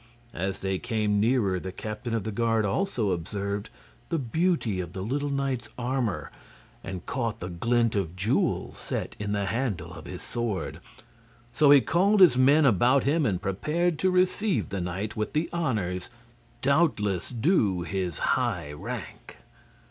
As they came nearer the captain of the guard also observed the beauty of the little knight's armor, and caught the glint of jewels set in the handle of his sword; so he called his men about him and prepared to receive the knight with the honors doubtless due his high rank.